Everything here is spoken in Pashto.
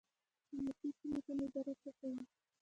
د ملکي خدمتونو اداره څه کوي؟